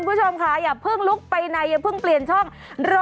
คุณผู้ชมค่ะอย่าเพิ่งลุกไปไหนอย่าเพิ่งเปลี่ยนช่อง